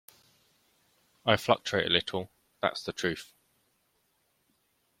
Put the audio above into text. I fluctuate a little; that's the truth.